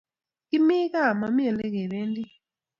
Kimi kaa mami olekependi